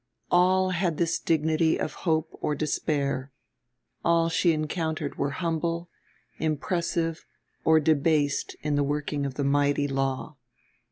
All had this dignity of hope or despair; all she encountered were humble, impressive or debased in the working of the mighty law.